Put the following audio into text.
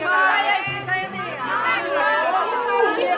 jangan sama sama kekejangan